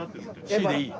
Ｃでいい？